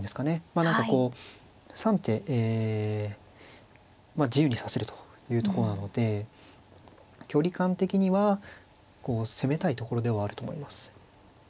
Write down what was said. まあ何かこう３手え自由に指せるというとこなので距離感的には攻めたいところではあると思います。